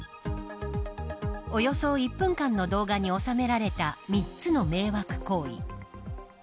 およそ１分間の動画に収められた３つの迷惑行為。